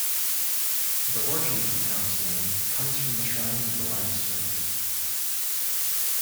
The origin of the town's name comes from the shrines of the largest villages.